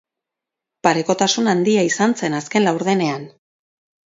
Parekotasun handia izan zen azken laurdenean.